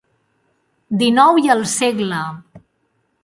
XIX i el s.